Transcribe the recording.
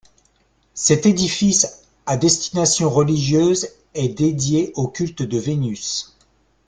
Cet édifice à destination religieuse est dédié au culte de Vénus.